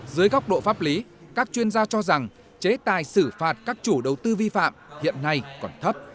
dưới góc độ pháp lý các chuyên gia cho rằng chế tài xử phạt các chủ đầu tư vi phạm hiện nay còn thấp